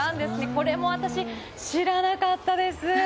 これも私、知らなかったです。